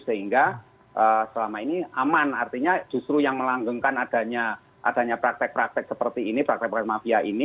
sehingga selama ini aman artinya justru yang melanggengkan adanya praktek praktek seperti ini praktek praktek mafia ini